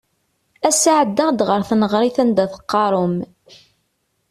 Ass-a ɛeddaɣ-d ɣer tneɣrit anda teqqarem.